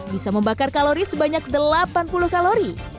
bisa membakar kalori sebanyak delapan puluh kalori